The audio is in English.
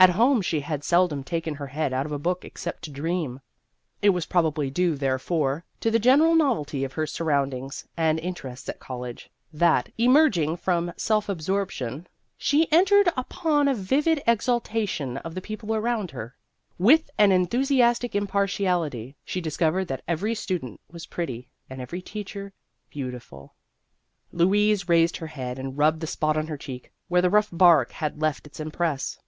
At home she had sel dom taken her head out of a book except to dream ; it was probably due, therefore, to the general novelty of her surroundings and interests at college, that, emerging from self absorption, she entered upon a 214 Vassar Studies vivid exaltation of the people around her. With an enthusiastic impartiality, she dis covered that every student was pretty and every teacher beautiful. Louise raised her head and rubbed the spot on her cheek where the rough bark had left its impress.